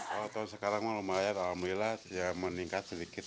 kalau tahun sekarang malam malam alhamdulillah ya meningkat sedikit